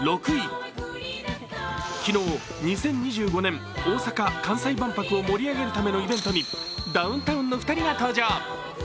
昨日２０２５年大阪・関西万博を盛り上げるためのイベントにダウンタウンの２人が登場。